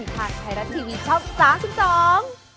ภาคไทยรันทร์ทีวีช่อง๓๒